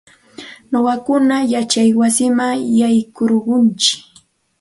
Nuqayku yachay wasiman yaykurquntsik.